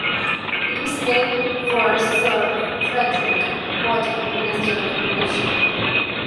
It was named for Sir Frederick Borden, Minister of Militia.